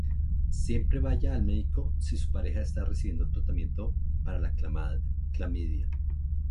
Siempre vaya al médico si su pareja está recibiendo tratamiento para la clamidia.